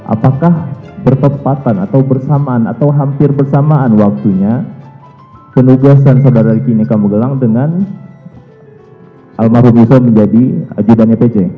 apakah berkepatan atau bersamaan atau hampir bersamaan waktunya penugasan saudara riki nekamu gelang dengan almarhum yesua menjadi adjudannya peci